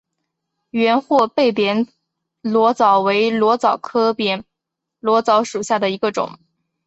圆货贝扁裸藻为裸藻科扁裸藻属下的一个种。